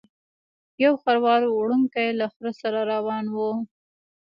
یو خروار وړونکی له خره سره روان و.